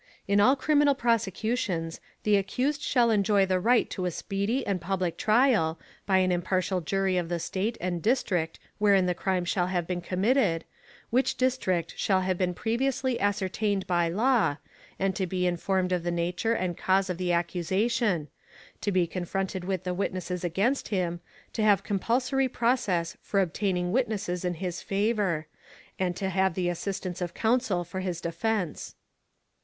In all criminal prosecutions, the accused shall enjoy the right to a speedy and public trial, by an impartial jury of the State and district wherein the crime shall have been committed, which district shall have been previously ascertained by law, and to be informed of the nature and cause of the accusation; to be confronted with the witnesses against him; to have Compulsory process for obtaining Witnesses in his favour, and to have the Assistance of Counsel for his defence.